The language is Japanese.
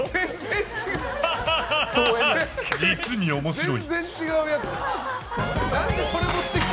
実に面白い。